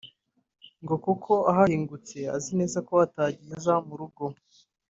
ngo kuko ahahingutse azi neza ko atayigeza mu rugo